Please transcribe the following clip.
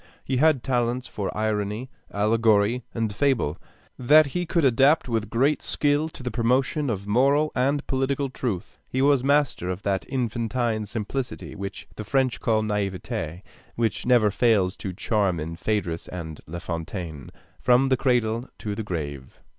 He had talents for irony, allegory, and fable, that he could adapt with great skill to the promotion of moral and political truth. He was master of that infantine simplicity which the French call naiveté which never fails to charm in Phaedrus and La Fontaine, from the cradle to the grave.